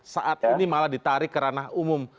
saat ini malah ditarik ke ranah umum